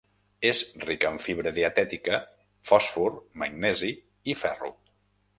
És rica en fibra dietètica, fòsfor, magnesi i ferro.